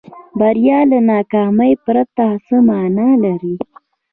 بریا له ناکامۍ پرته څه معنا لري.